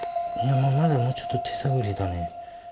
まだもうちょっと手探りだね。